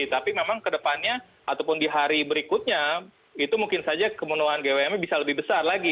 tapi memang kedepannya ataupun di hari berikutnya itu mungkin saja kemenuhan gwm nya bisa lebih besar lagi